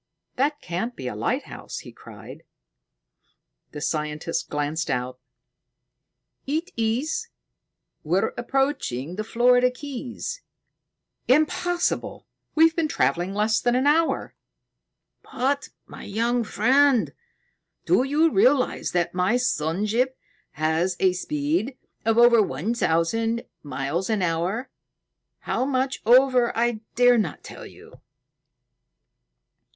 "That can't be a lighthouse!" he cried. The scientist glanced out. "It is. We're approaching the Florida Keys." "Impossible! We've been traveling less than an hour." "But, my young friend, do you realize that my sun ship has a speed of over one thousand miles an hour, how much over I dare not tell you?"